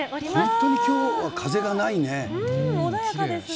本当にきょうは風がないね。